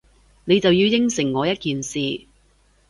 你就要應承我一件事